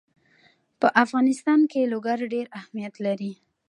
په افغانستان کې لوگر ډېر اهمیت لري.